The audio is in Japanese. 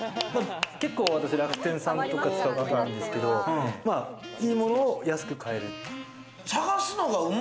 結構私楽天さんとか使うこと多いんですけど、いいものを安く買える。